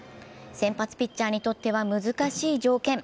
先発ピッチャーにとっては難しい条件。